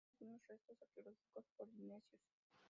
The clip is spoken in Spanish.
Contiene algunos restos arqueológicos polinesios.